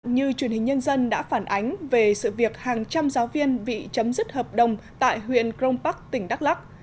như truyền hình nhân dân đã phản ánh về sự việc hàng trăm giáo viên bị chấm dứt hợp đồng tại huyện crong park tỉnh đắk lắc